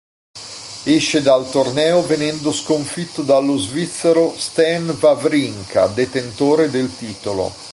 Esce dal torneo venendo sconfitto dallo svizzero Stan Wawrinka, detentore del titolo.